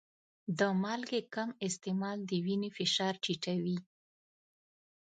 د مالګې کم استعمال د وینې فشار ټیټوي.